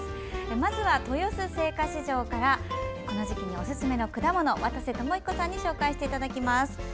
まず豊洲青果市場からこの時期におすすめの果物渡瀬智彦さんにご紹介いただきます。